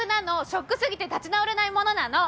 ショックすぎて立ち直れないものなの！